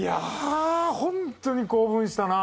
本当に興奮した。